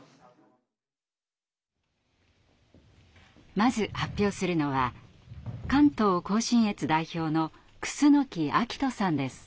まず発表するのは関東・甲信越代表の楠光翔さんです。